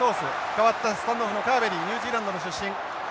代わったスタンドオフのカーベリーニュージーランドの出身。